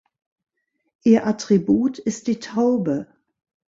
Ihr Attribut ist die Taube.